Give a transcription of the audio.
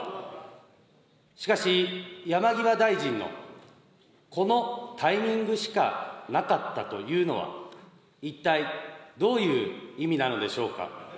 しかし山際大臣の、このタイミングしかなかったというのは、一体どういう意味なのでしょうか。